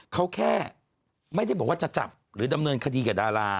เขาแค่ไม่ได้บอกว่าจะจับหรือดำเนินคดีกับดารา